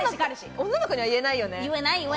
女の子には言えないよね。